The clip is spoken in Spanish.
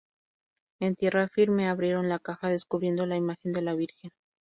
En tierra firme abrieron la caja, descubriendo la imagen de la Virgen.